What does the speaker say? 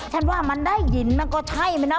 ฉันว่ามันได้ยินมันก็ใช่ไหมนะ